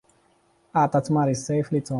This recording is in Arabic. أعطت ماري السيفَ لتوم.